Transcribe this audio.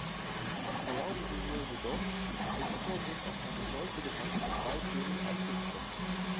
Erlauben Sie mir jedoch, im Vorgriff auf eine solche Debatte zwei Themen anzusprechen.